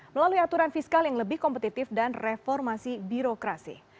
melalui aturan fiskal yang lebih kompetitif dan reformasi birokrasi